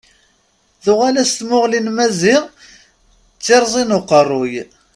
Tuɣal-as tmuɣli n Maziɣ d tirẓi n uqerruy.